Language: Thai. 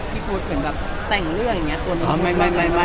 พี่ฟู๊ดเป็นแบบแต่งเรื่องหรือครับ